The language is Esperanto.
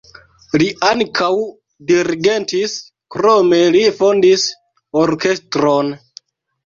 Li ankaŭ dirigentis, krome li fondis orkestron.